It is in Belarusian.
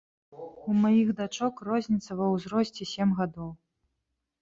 У маіх дачок розніца ва ўзросце сем гадоў.